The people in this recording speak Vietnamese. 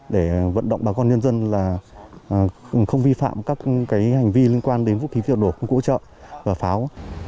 để vận động bà con nhân dân là không vi phạm các hành vi liên quan đến vũ khí vật nổ công cụ ủi trợ và pháo